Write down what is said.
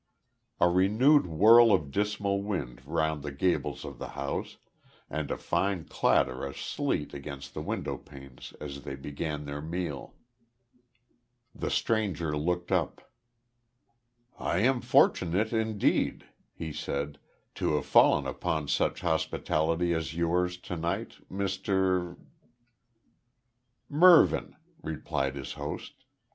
A renewed whirl of dismal wind round the gables of the house, and a fine clatter of sleet against the windowpanes as they began their meal. The stranger looked up. "I am fortunate indeed," he said, "to have fallen upon such hospitality as yours to night, Mr ?" "Mervyn," supplied his host.